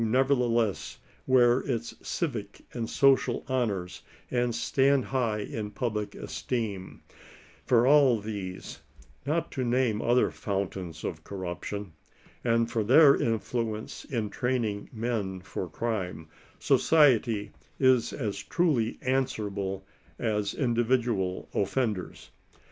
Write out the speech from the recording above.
erthele8s wear its civic and social honors and stand high in public esteem ; for all these*— not to name other fountains of corruption — and for their influence in training men for crime, society is as truly answerable as individual offenders.